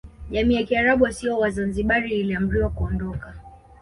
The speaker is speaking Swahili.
Jamii ya Kiarabu wasio Wazanzibari iliamriwa kuondoka